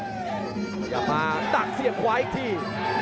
พยายามมาดักเสียงขวาอีกที